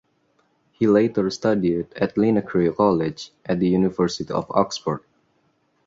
He later studied at Linacre College at the University of Oxford.